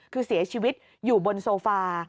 คือเสียชีวิตอยู่บนโซฟา